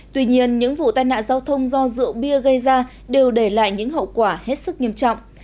tuy nhiên những vụ tai nạn giao thông do rượu bia gây ra đều để lại những hậu quả hết sức nghiêm trọng